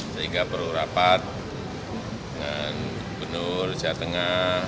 sehingga perlu rapat dengan gubernur jatengah